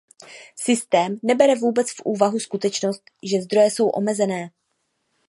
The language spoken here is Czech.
Systém nebere vůbec v úvahu skutečnost, že zdroje jsou omezené.